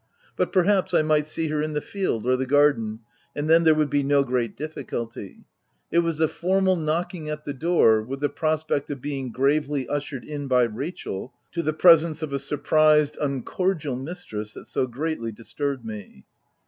But, perhaps, I might see her in the field or the garden, and then, there would be no great difficulty : it was the formal knocking at the door, with the prospect of being gravely ushered in, by Rachel, to the presence of a surprised, uncordial mis tress, that so greatly disturbed me.